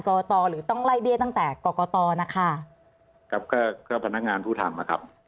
กตหรือต้องไล่เบี้ยตั้งแต่กรกตนะคะครับก็ก็พนักงานผู้ทำนะครับ